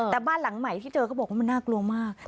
แต่บ้านหลังใหม่ที่เจอเขาบอกว่ามันน่ากลัวมาก